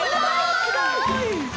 すごい。